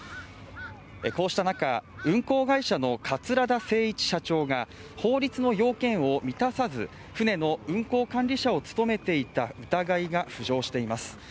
こうした中、運航会社の桂田精一社長が法律の要件を満たさず船の運航管理者を務めていた疑いが浮上しています